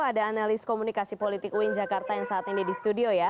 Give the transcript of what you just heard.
ada analis komunikasi politik uin jakarta yang saat ini di studio ya